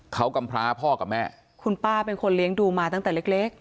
เขากำพร้าพ่อกับแม่คุณป้าเป็นคนเลี้ยงดูมาตั้งแต่เล็กเล็ก